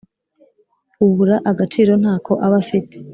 ubura agaciro ntako aba afite